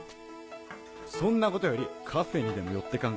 そんなことよりカフェにでも寄ってかんか？